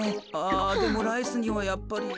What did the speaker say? でもライスにはやっぱり。